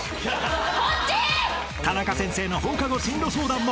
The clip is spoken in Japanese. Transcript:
［タナカ先生の放課後進路相談も］